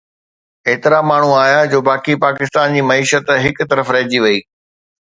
ايترا ماڻهو آيا جو باقي پاڪستان جي معيشت هڪ طرف رهجي وئي